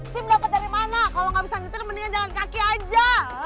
tim dapat dari mana kalau nggak bisa nyetir mendingan jalan kaki aja